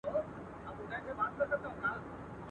نه چاره یې په دارو درمل کېدله.